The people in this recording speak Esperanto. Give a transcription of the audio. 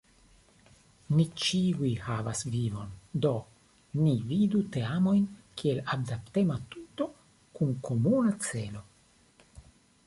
Ni ĉiuj havas vivon, do ni vidu teamojn kiel adaptema tuto kun komuna celo.